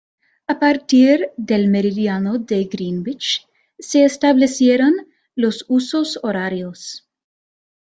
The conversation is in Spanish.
A partir del meridiano de Greenwich se establecieron los husos horarios.